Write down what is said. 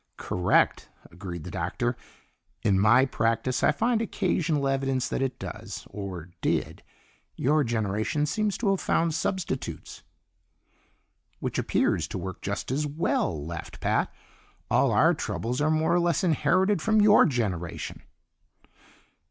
"Correct," agreed the Doctor. "In my practice I find occasional evidence that it does. Or did; your generation seems to have found substitutes." "Which appears to work just as well!" laughed Pat. "All our troubles are more or less inherited from your generation."